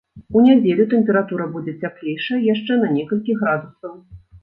У нядзелю тэмпература будзе цяплейшая яшчэ на некалькі градусаў.